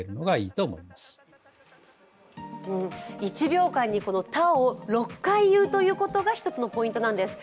１秒間のこの「タ」を６回言うことが１つのポイントなんです。